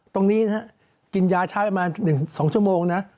ตรงนี้นะฮะกินยาใช้ประมาณ๑๒ชั่วโมงนะ